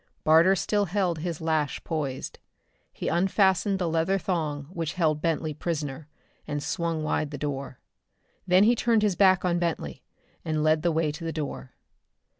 Barter still held his lash poised. He unfastened the leather thong which held Bentley prisoner and swung wide the door. Then he turned his back on Bentley and led the way to the door.